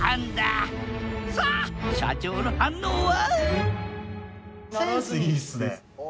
さあ社長の反応は？